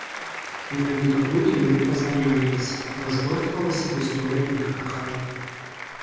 Менавіта тут яны пазнаёміліся, разгортвалася гісторыя іх кахання.